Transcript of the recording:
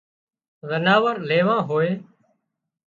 زناور ليوون هوئي